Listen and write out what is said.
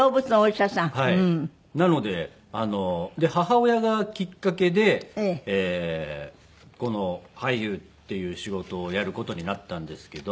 母親がきっかけでこの俳優っていう仕事をやる事になったんですけど。